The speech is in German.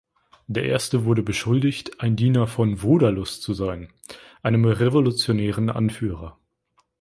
Der Erste wurde beschuldigt, ein Diener von Vodalus zu sein, einem revolutionären Anführer.